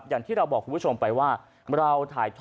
อย่างที่เราบอกคุณผู้ชมไปว่า